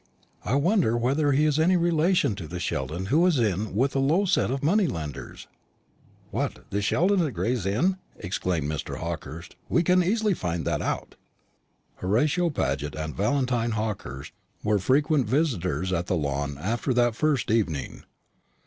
"I wonder whether he is any relation to the Sheldon who is in with a low set of money lenders?" "What, the Sheldon of Gray's Inn?" exclaimed Mr. Hawkehurst. "We can easily find that out." Horatio Paget and Valentine Hawkehurst were frequent visitors at the Lawn after that first evening.